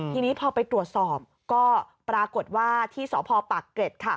ทีนี้พอไปตรวจสอบก็ปรากฏว่าที่สพปากเกร็ดค่ะ